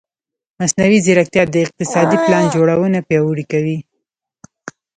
مصنوعي ځیرکتیا د اقتصادي پلان جوړونه پیاوړې کوي.